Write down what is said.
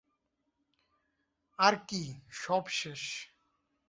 আর কি, সব শেষ!